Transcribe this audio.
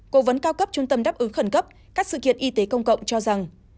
cố vấn cao cấp trung tâm đáp ứng khẩn cấp các sự kiện y tế công cộng cho rằng